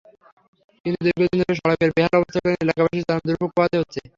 কিন্তু দীর্ঘদিন ধরে সড়কের বেহাল অবস্থার কারণে এলাকাবাসীকে চরম দুর্ভোগ পোহাতে হচ্ছে।